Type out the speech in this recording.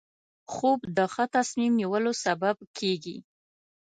خوب د ښه تصمیم نیولو سبب کېږي